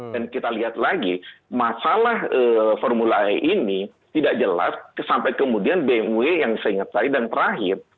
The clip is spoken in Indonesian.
dan kita lihat lagi masalah formula e ini tidak jelas sampai kemudian bmw yang saya ingat tadi dan terakhir